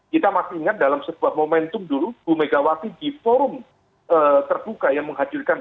kita masih ingat dalam sebuah momentum dulu bu megawati di forum terbuka yang menghadirkan